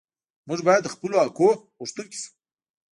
موږ باید د خپلو حقونو غوښتونکي شو.